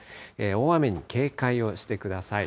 大雨に警戒をしてください。